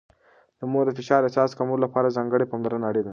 د مور د فشار احساس کمولو لپاره ځانګړې پاملرنه اړینه ده.